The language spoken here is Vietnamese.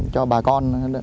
cho bà con